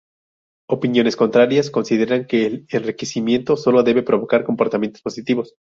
Opiniones contrarias consideran que el enriquecimiento solo debe provocar comportamientos positivos.